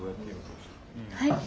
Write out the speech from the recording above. はい？